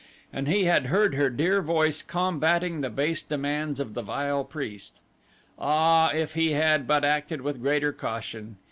And he had heard her dear voice combatting the base demands of the vile priest. Ah, if he had but acted with greater caution!